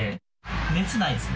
熱はないですね？